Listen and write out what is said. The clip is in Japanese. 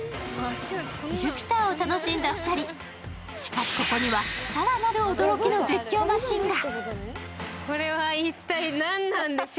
ジュピターを楽しんだ２人、しかし、ここには更なる驚きの絶叫マシーンが。